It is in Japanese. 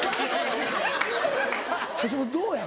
橋本どうや？